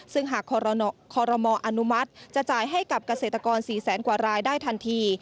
ซึ่งหากคอรมออนุมัติจะจ่ายให้กับเกษตรกร๔แสนกว่ารายได้ทันที